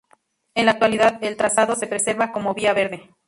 En la actualidad el trazado se preserva como vía verde.